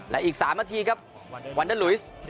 และอีก๓นาทีครับวันเดอร์ลุยส